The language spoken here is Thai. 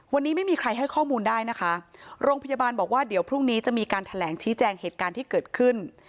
วันนี้ไม่มีใครให้ข้อมูลได้นะคะโรงพยาบาลบอกว่าเดี๋ยวพรุ่งนี้จะมีการแถลงชี้แจงเหตุการณ์ที่เกิดขึ้น